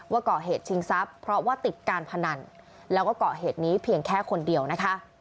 ว่าก่อเหตุชิงทรัพย์เพราะว่าติดการพนันแล้วก็เกาะเหตุนี้เพียงแค่คนเดียวนะคะ